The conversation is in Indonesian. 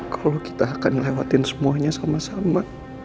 kalau kita akan ngelewatin semuanya sama sama